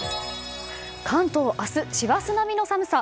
関東、明日師走並みの寒さ。